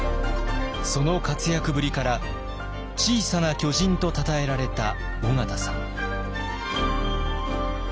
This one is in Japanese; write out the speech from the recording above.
その活躍ぶりから「小さな巨人」とたたえられた緒方さん。